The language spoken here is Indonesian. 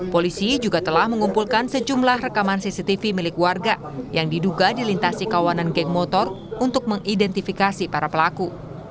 polisi juga telah mengumpulkan sejumlah rekaman cctv milik warga yang diduga dilintasi kawanan geng motor untuk mengidentifikasi para pelaku